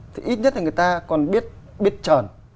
thì ít nhất là người ta còn biết trờn